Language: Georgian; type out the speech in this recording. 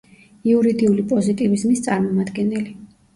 იურიდიული პოზიტივიზმის წარმომადგენელი.